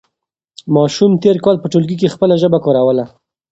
ماشوم تېر کال په ټولګي کې خپله ژبه کاروله.